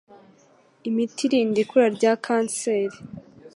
imiti irinda ikura rya kanseri .